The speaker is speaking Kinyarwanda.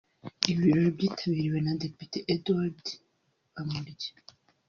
Ibi birori byitabiriwe na Depite Édouard Bamporiki